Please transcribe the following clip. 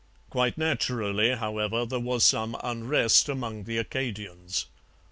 Quite naturally, however, there was some unrest among the Acadians.